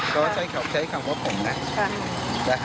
ก็ใช้คำว่าผมนะ